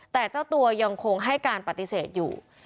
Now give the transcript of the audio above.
แต่เจ้าตัวยังคงให้การปฏิเสธอยู่